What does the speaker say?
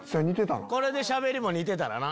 これでしゃべりも似てたらな。